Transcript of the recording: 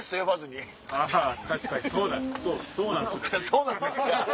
「そうなんです」